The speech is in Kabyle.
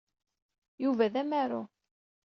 Yuba d amaru.